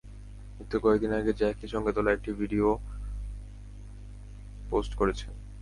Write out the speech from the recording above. মৃত্যুর কয়েক দিন আগে জ্যাকির সঙ্গে তোলা একটা ভিডিওও পোস্ট করেছেন।